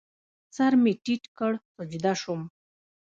سر مې ټیټ کړ، سجده شوم